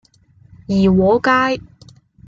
怡和街